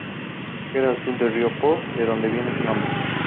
Queda al sur del río Po, de donde viene su nombre.